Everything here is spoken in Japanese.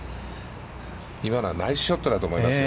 今のはナイスショットだと思いますよ。